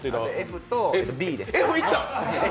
ＦとＢです。